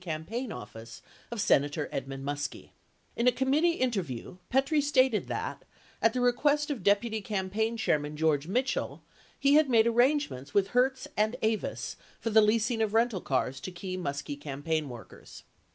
campaign office of Senator Edmund Muskie. In a committee interview Petrie stated that, at the request of Deputy Campaign Chairman George Mitchell, he had made arrangements with Hertz and Avis for the leasing of rental cars to key Muskie campaign workers.